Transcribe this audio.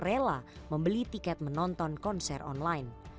mereka juga telah membeli tiket menonton konser online